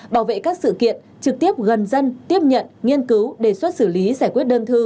bảo vệ các sự kiện trực tiếp gần dân tiếp nhận nghiên cứu đề xuất xử lý giải quyết đơn thư